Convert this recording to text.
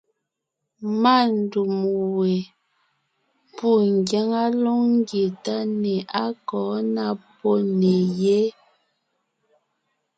Má ndûm we pû ngyáŋa lóŋ ńgie táne á kɔ̌ ná pó nè yé.